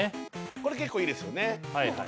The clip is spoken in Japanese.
これ結構いいですよね